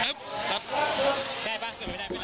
ได้ปะเข้าไปได้ไปเลย